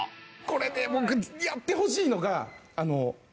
これね僕やってほしいのが。